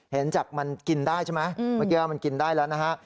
เห็นจากมันกินได้ใช่ไหมเมื่อกี้มันกินได้แล้วนะฮะ